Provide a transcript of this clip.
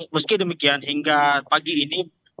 meski demikian hingga pagi ini